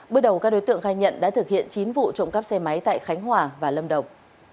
bước đầu các đối tượng khai nhận đã thực hiện chín vụ trộm cắp xe máy tại khánh hòa và lâm đồng